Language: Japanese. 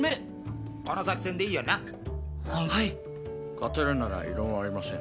勝てるなら異論ありません。